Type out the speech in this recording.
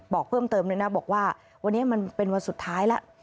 บอกเพิ่มเติมเลยนะบอกว่าวันนี้มันเป็นวันสุดท้ายแล้ว